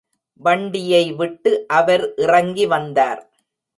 வண்டியை விட்டு அவர் இறங்கி வந்தார்.